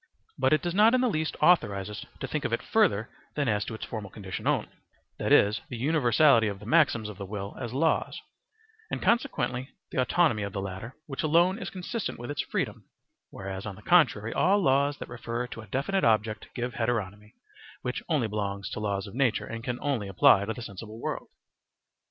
But it does not in the least authorize us to think of it further than as to its formal condition only, that is, the universality of the maxims of the will as laws, and consequently the autonomy of the latter, which alone is consistent with its freedom; whereas, on the contrary, all laws that refer to a definite object give heteronomy, which only belongs to laws of nature and can only apply to the sensible world.